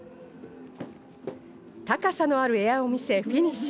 高さのあるエアを見せフィニッシュ。